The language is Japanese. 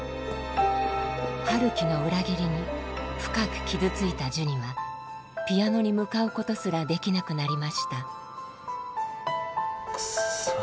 陽樹の裏切りに深く傷ついたジュニはピアノに向かうことすらできなくなりましたくそっ。